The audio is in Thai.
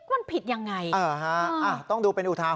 วันผิดยังไงอ่าอ่าต้องดูเป็นอุทาหอน